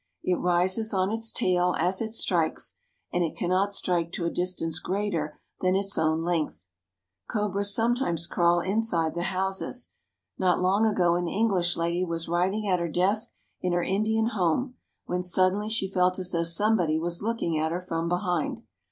It rises on its tail as it strikes, and it cannot strike to a distance greater than its own Tiger. length. Cobras sometimes crawl inside the houses. Not long ago an EngHsh lady was writing at her desk in her Indian home, when suddenly she felt as though somebody was looking at her from behind.